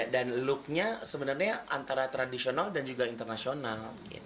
dan look nya sebenarnya antara tradisional dan juga internasional